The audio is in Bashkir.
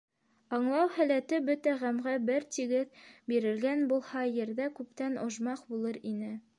Аңлау һәләте бөтә ғәмгә бер тигеҙ бирелгән булһа, ерҙә күптән ожмах булыр ине.